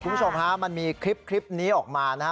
คุณผู้ชมฮะมันมีคลิปนี้ออกมานะฮะ